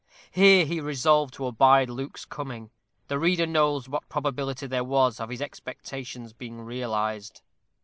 Here he resolved to abide Luke's coming. The reader knows what probability there was of his expectations being realized.